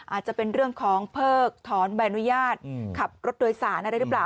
อาจจะเป็นเรื่องของเพิกถอนใบอนุญาตขับรถโดยสารอะไรหรือเปล่า